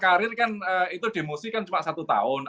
karir kan itu demosi kan cuma satu tahun